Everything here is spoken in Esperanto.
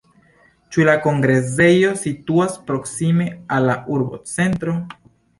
Ĉu la kongresejo situas proksime al la urbocentro?